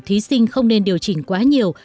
thí sinh không nên điều chỉnh quá nhiều